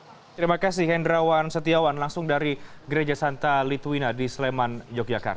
terima kasih hendrawan setiawan langsung dari gereja santa litwina di sleman yogyakarta